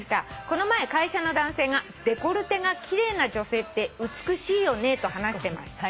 「この前会社の男性が『デコルテが奇麗な女性って美しいよね』と話してました」